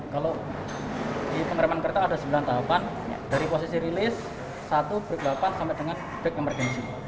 kalau di pengereman kereta ada sembilan tahapan dari posisi rilis satu break delapan sampai dengan break emergency